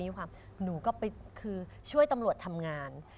หนูก็ไปคือช่วยตำรวจทำงาน